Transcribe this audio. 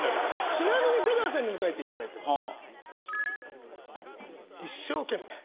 ちなみに出川さんにも書いていただいてます。